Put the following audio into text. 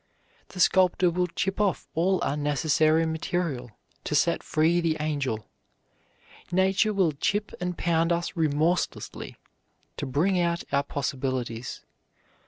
The sculptor will chip off all unnecessary material to set free the angel. Nature will chip and pound us remorselessly to bring out our possibilities.